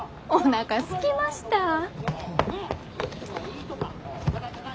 おなかすきました。